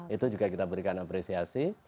itu juga kita berikan apresiasi